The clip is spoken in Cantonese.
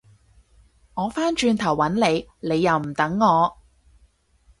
我返轉頭搵你，你又唔等我